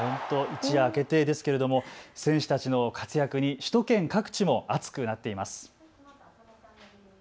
本当、一夜明けてですけれども選手たちの活躍に首都圏各地も熱くなっています。